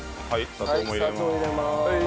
砂糖入れます。